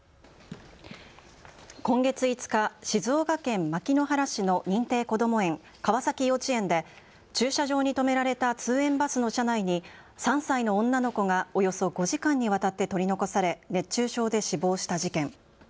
今月５日、静岡県牧之原市の認定こども園、川崎幼稚園で駐車場に止められた通園バスの車内に３歳の女の子がおよそ５時間にわたって取り残され熱中症で死亡した事件。